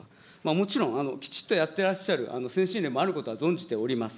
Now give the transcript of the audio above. もちろん、きちっとやってらっしゃる、先進例もあることは存じております。